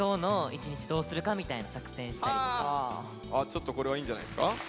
ちょっとこれはいいんじゃないですか。